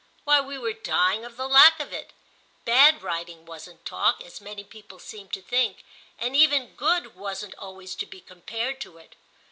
—why we were dying of the lack of it! Bad writing wasn't talk, as many people seemed to think, and even good wasn't always to be compared to it.